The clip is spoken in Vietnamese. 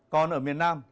còn ở miền nam